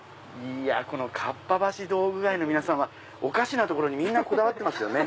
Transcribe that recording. このかっぱ橋道具街の皆さんはおかしなとこにこだわりますね。